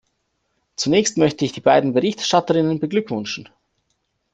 Zunächst möchte ich die beiden Berichterstatterinnen beglückwünschen.